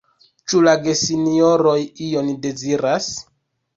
Ĉu la gesinjoroj ion deziras?